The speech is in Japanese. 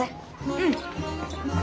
うん。